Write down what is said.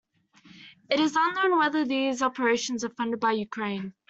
It is unknown whether these operations are funded by Ukraine.